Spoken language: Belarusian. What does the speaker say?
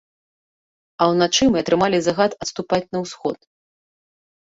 А ўначы мы атрымалі загад адступаць на ўсход.